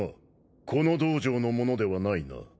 この道場の者ではないな。